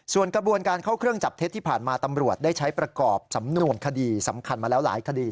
ส่วนกระบวนการเข้าเครื่องจับเท็จที่ผ่านมาตำรวจได้ใช้ประกอบสำนวนคดีสำคัญมาแล้วหลายคดี